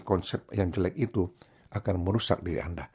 konsep yang jelek itu akan merusak diri anda